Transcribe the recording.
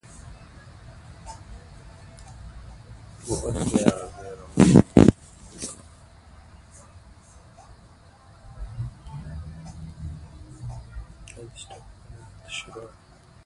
تالابونه د افغانستان د ملي هویت یوه نښه ده.